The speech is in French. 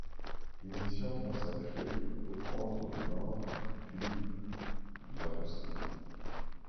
Émission consacrée au contre-ténor Philippe Jaroussky.